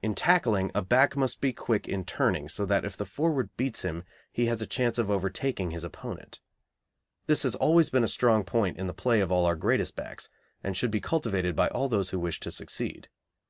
In tackling, a back must be quick in turning, so that if the forward beats him he has a chance of overtaking his opponent. This has always been a strong point in the play of all our greatest backs, and should be cultivated by all those who wish to succeed.